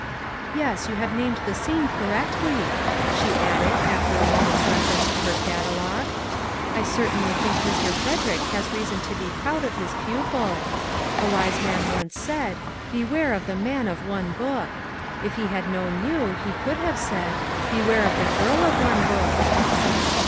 Yes, you have named the scene correctly," she added, after a moment's reference to her catalogue. " I certainly think Mr. Frederick has reason to be proud of his pupil. A wise man once said :' Beware of the man of one book.' If he had known you, he could have said :' Beware of the little girl of one book.'